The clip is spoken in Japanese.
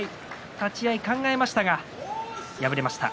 立ち合い、考えましたが敗れました。